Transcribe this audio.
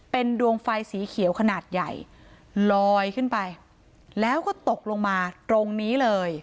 เป็นดวงไฟสีเขียวขนาดใหญ่ลอยขึ้นไปแล้วก็ตกลงมาตรงนี้เลย